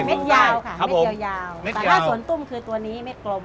เด็ดยาวค่ะเม็ดยาวแต่ถ้าสวนตุ้มคือตัวนี้เม็ดกลม